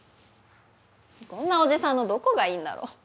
こんなおじさんのどこがいいんだろう？